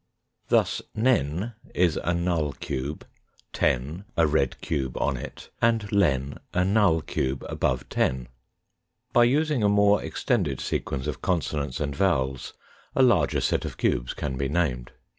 Thus "nen" is a "null" cube, "ten" a red cube on it, and " len " a " null " cube above " ten." 262 THE FOURTH DIMENSION By using a more extended sequence of consonants and vowels a larger set of cubes can be named.